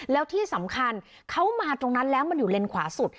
แล้วที่สำคัญเขามาตรงนั้นแล้วมันอยู่เลนขวาสุด